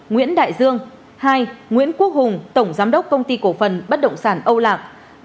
nguyễn đại dương hai nguyễn quốc hùng tổng giám đốc công ty cổ phần bất động sản âu lạc